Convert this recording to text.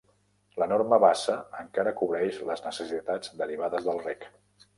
L'enorme bassa encara cobreix les necessitats derivades del rec.